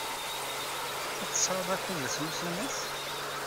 Ad tesɛud akud ass n usinas?